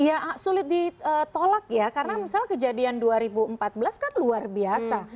iya sulit ditolak ya karena misalnya kejadian dua ribu empat belas kan luar biasa